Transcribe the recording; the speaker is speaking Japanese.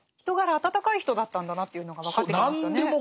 人柄温かい人だったんだなっていうのが分かってきましたね。